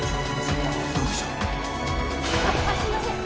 すいません！